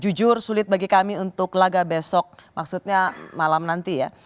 jujur sulit bagi kami untuk laga besok maksudnya malam nanti ya